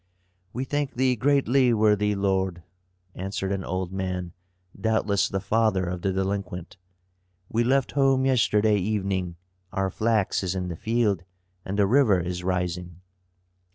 "We thank thee greatly, worthy lord," answered an old man, doubtless the father of the delinquent. "We left home yesterday evening, our flax is in the field, and the river is rising."